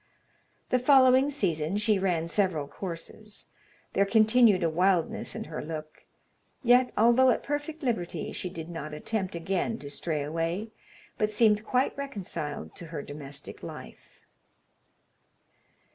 The following season she ran several courses. There continued a wildness in her look; yet, although at perfect liberty, she did not attempt again to stray away, but seemed quite reconciled to her domestic life.